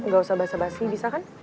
gausah basa basi bisa kan